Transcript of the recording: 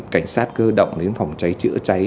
cảnh sát cơ động đến phòng cháy chữa cháy